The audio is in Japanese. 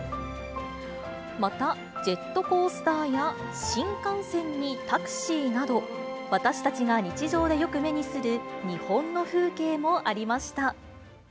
またジェットコースターや新幹線にタクシーなど、私たちが日常でよく目にする日本の風景もありました。